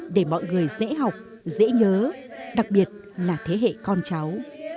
để mọi người dễ học dễ nhớ đặc biệt là thế hệ con cháu